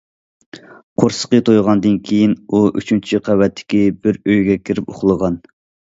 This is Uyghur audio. قورسىقى تويغاندىن كېيىن ئۇ ئۈچىنچى قەۋەتتىكى بىر ئۆيگە كىرىپ ئۇخلىغان.